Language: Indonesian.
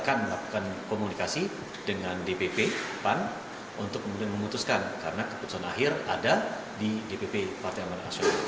akan melakukan komunikasi dengan dpp pan untuk memutuskan karena keputusan akhir ada di dpp pan